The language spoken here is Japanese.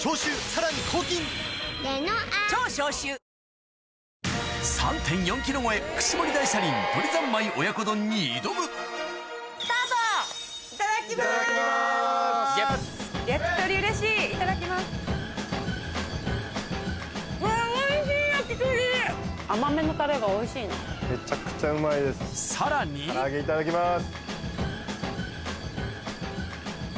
さらにから揚げいただきます。